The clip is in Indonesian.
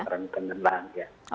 dampak dari pemerintah pemerintah